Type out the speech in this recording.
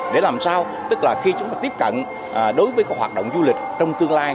để làm sao tức là khi chúng ta tiếp cận đối với các hoạt động du lịch trong tương lai